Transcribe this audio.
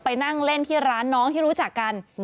ไปนั่งเล่นที่ร้านน้องที่รู้จักกัน